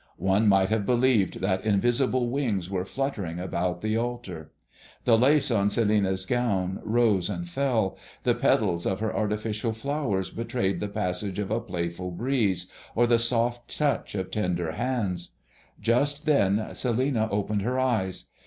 One might have believed that invisible wings were fluttering about the altar. The lace on Celinina's gown rose and fell; and the petals of her artificial flowers betrayed the passage of a playful breeze, or the soft touch of tender hands. Just then Celinina opened her eyes.